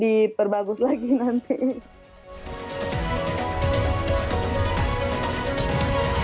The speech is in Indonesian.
diperbagus lagi nanti